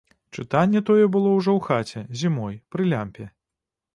Чытанне тое было ўжо ў хаце, зімой, пры лямпе.